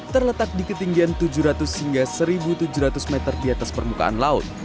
terletak di ketinggian tujuh ratus hingga satu tujuh ratus meter di atas permukaan laut